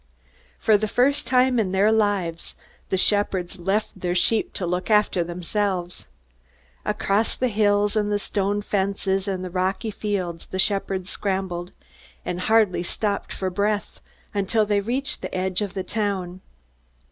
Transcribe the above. For the first time in their lives, the shepherds left their sheep to look after themselves. Across the hills and the stone fences and the rocky fields the shepherds scrambled, and hardly stopped for breath till they reached the edge of the town.